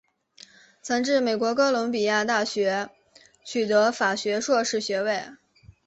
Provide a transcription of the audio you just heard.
曾至美国哥伦比亚大学取得法学硕士学位。